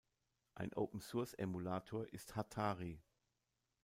Ein Open-Source-Emulator ist Hatari.